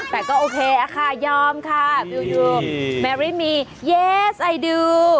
แต่ก็โอเคอะค่ะยอมค่ะฟิลยูเมรินด์มีเยสไอดู